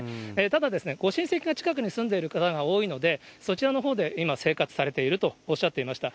ただ、ご親戚が近くに住んでいる方が多いので、そちらの方で今、生活されているとおっしゃっていました。